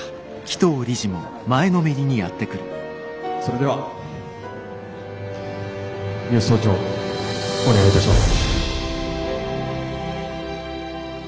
それでは三芳総長お願いいたします。